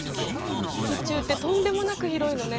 宇宙ってとんでもなく広いのね。